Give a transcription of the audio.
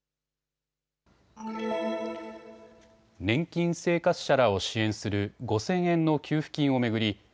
年金生活者らを支援する５０００円の給付金を巡り